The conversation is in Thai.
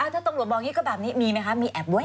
ถ้าต้องหลวงบองนี้ก็แบบนี้มีไหมคะมีแอบไว้ไหม